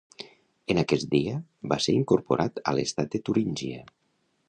En aquest dia, va ser incorporat a l'estat de Turíngia.